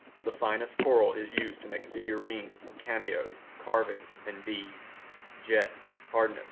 The finest coral is used to make figurines, cameos, carvings, and beads. Jet (hardness: 2.